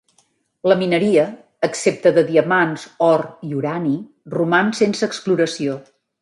La mineria, excepte de diamants, or i urani, roman sense exploració.